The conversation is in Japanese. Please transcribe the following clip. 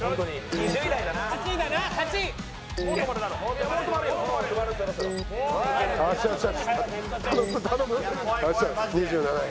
２７位。